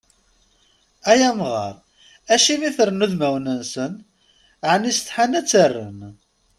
Ay amɣar, acimi fren udmawen-nsen? Ɛni setḥan ad ttren?